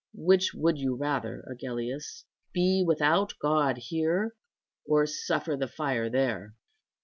"Which would you rather, Agellius, be without God here, or suffer the fire there?"